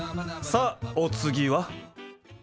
さあお次は。